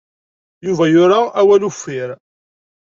Yuba yura awal uffir.